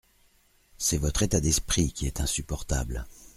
C’est votre état d’esprit qui est insupportable.